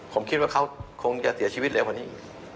ผมคิดว่าเขาคงจะเสียชีวิตแล้วอันนี้